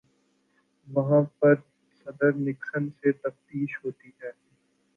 وہاں پہ صدر نکسن سے تفتیش ہوتی ہے۔